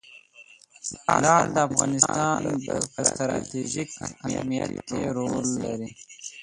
لعل د افغانستان په ستراتیژیک اهمیت کې رول لري.